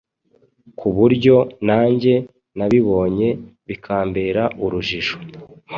kuburyo nanjye nabibonye bikambera urujijo